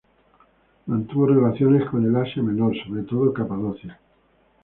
Mantuvo relaciones con el Asia Menor, sobre todo Capadocia.